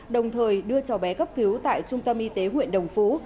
đồng thời đưa cháu bé cấp cứu tại trung tâm y tế huyện đồng phú